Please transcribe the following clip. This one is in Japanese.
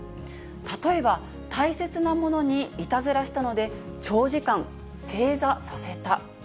例えば、大切なものにいたずらしたので、長時間正座させた。